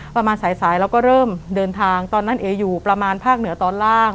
ประมาณสายสายเราก็เริ่มเดินทางตอนนั้นเออยู่ประมาณภาคเหนือตอนล่าง